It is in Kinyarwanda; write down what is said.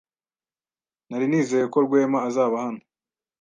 Nari nizeye ko Rwema azaba hano.